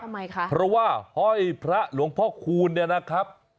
ทำไมคะเพราะว่าห้อยพระหลวงพ่อคูณเนี่ยนะครับ